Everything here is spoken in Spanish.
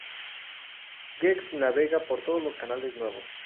Gex navega por todos los canales nuevos.